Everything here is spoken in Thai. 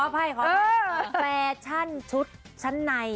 ฟาชั่นชุดชั้นใน